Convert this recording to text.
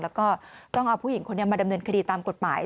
แล้วก็ต้องเอาผู้หญิงคนนี้มาดำเนินคดีตามกฎหมาย